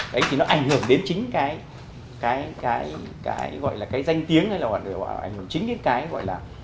đấy thì nó ảnh hưởng đến chính cái danh tiếng hay là ảnh hưởng chính đến cái gọi là